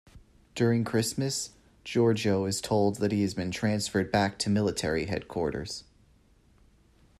During Christmas, Giorgio is told that he has been transferred back to military headquarters.